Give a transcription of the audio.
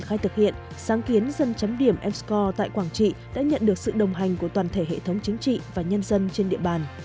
khai thực hiện sáng kiến dân chấm điểm m score tại quảng trị đã nhận được sự đồng hành của toàn thể hệ thống chính trị và nhân dân trên địa bàn